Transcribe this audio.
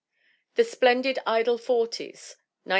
The Splendid Idle Forties, 1902.